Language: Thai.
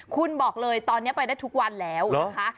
คุณบอกเลยตอนนี้ไปได้ทุกวันแล้วนะคะ